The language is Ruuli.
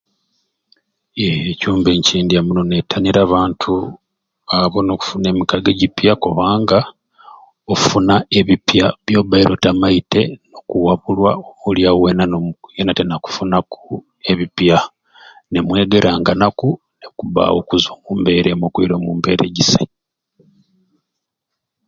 Eeee ekyo mbe nkyendya muno netanira abantu abo nokufuna emikago egyipya kubanga ofuna epipya byobeire tomaite okuwabulwa iba olyawo wena yena te nakufunaku ebipya ne mwegeranganaku okuzwa oku mbeera emwei omwira oku mbeera egyisai